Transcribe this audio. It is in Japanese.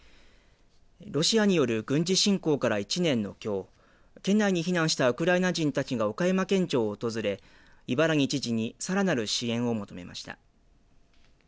ロシアによる軍事侵攻から１年のきょう県内に避難したウクライナ人たちが岡山県庁を訪れ伊原木知事にさらなる支援を求めました。